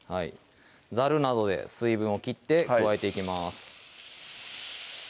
ざるなどで水分を切って加えていきます